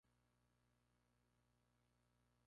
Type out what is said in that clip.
Come gambas, peces, moluscos, crustáceos y gusanos.